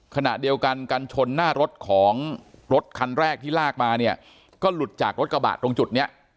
ขณะเดียวกันกันชนหน้ารถของรถคันแรกที่ลากมาเนี่ยก็หลุดจากรถกระบะตรงจุดเนี้ย